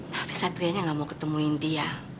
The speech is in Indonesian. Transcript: tapi satria nya nggak mau ketemuin dia